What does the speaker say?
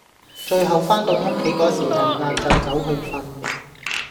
最後返到屋企個時係晏晝走去瞓